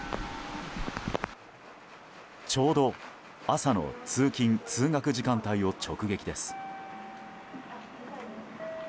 ちょうど朝の通勤・通学時間帯を直撃です。